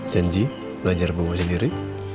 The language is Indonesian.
janji belajar bobo sendiri